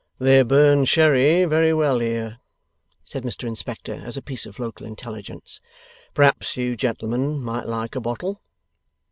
'They burn sherry very well here,' said Mr Inspector, as a piece of local intelligence. 'Perhaps you gentlemen might like a bottle?